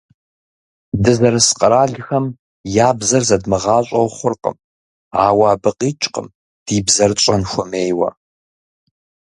Дызэрыс къэралхэм я бзэр зэдмыгъащӏэу хъуркъым, ауэ абы къикӏкъым ди бзэр тщӏэн хуэмейуэ.